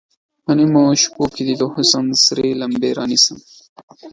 په نیمو شپو کې دې، د حسن سرې لمبې رانیسم